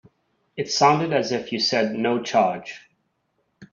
It sounded as if you said no charge.